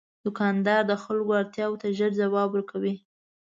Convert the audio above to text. دوکاندار د خلکو اړتیا ته ژر ځواب ورکوي.